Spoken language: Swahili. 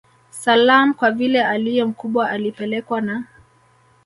Salaam Kwa vile aliye mkubwa alipelekwa na